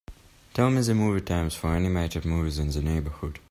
Tell me the movie times for animated movies in the neighborhood.